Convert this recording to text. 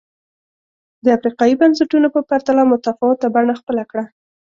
د افریقايي بنسټونو په پرتله متفاوته بڼه خپله کړه.